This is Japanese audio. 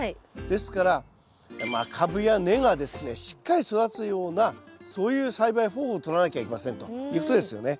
ですからまあ株や根がですねしっかり育つようなそういう栽培方法をとらなきゃいけませんということですよね。